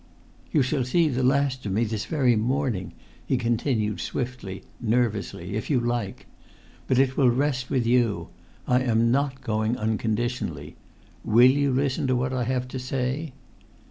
"You shall see the last of me this very morning," he continued swiftly, nervously, "if you like! But it will rest with you. I am not going unconditionally. Will you listen to what I have to say?"